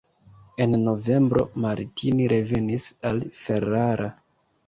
En novembro Martini revenis al Ferrara.